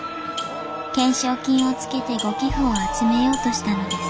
懸賞金をつけてご寄付を集めようとしたのです。